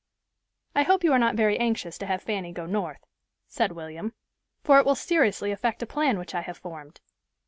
"I hope you are not very anxious to have Fanny go North," said William; "for it will seriously affect a plan which I have formed."